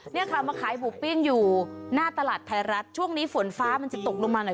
เนี่ยค่ะมาขายหมูปิ้งอยู่หน้าตลาดไทยรัฐช่วงนี้ฝนฟ้ามันจะตกลงมาหน่อย